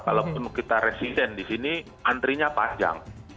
kalaupun kita resident di sini antrinya panjang